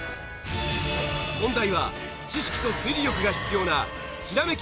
問題は知識と推理力が必要なひらめき！